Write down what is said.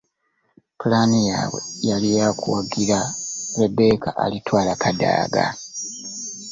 Ppulaani yaabwe yali ya kuwagira Rebecca Alitwala Kadaga